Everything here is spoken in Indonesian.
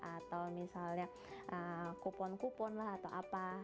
atau misalnya kupon kupon lah atau apa